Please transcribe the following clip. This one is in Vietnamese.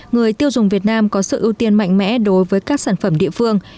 người tiêu dùng việt nam có sự ưu tiên mạnh mẽ đối với các sản phẩm địa phương